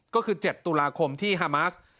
ก็คือ๗ตุลาคมที่ฮามาส